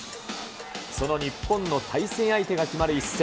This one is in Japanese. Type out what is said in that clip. その日本の対戦相手が決まる一戦。